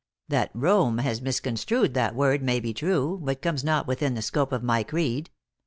That Rome has misconstrued that word, may be true, but comes not within the scope of my creed.